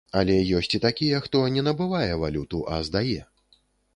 Але ёсць і такія, хто не набывае валюту, а здае.